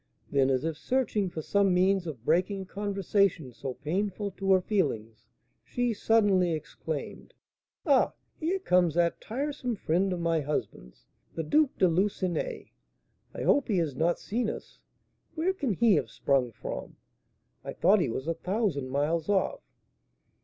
Then, as if searching for some means of breaking a conversation so painful to her feelings, she suddenly exclaimed, "Ah! here comes that tiresome friend of my husband's, the Duke de Lucenay. I hope he has not seen us. Where can he have sprung from? I thought he was a thousand miles off!"